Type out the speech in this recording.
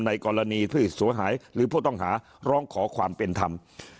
ในกรณีที่เสียหายหรือผู้ต้องหาร้องขอความเป็นธรรม